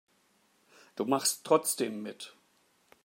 Du machst trotzdem mit.